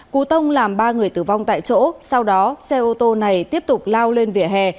cú tông làm ba người tử vong tại chỗ sau đó xe ô tô này tiếp tục lao lên vỉa hè